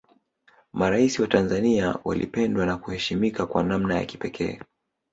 maraisi wa tanzania walipendwa na kuheshimika kwa namna ya kipekee